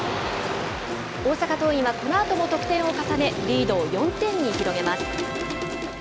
大阪桐蔭は、このあとも得点を重ね、リードを４点に広げます。